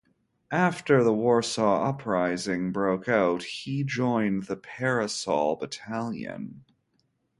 After the Warsaw Uprising broke out, he joined the "Parasol" battalion.